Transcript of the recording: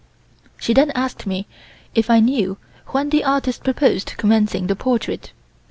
She then asked me if I knew when the artist proposed commencing the portrait.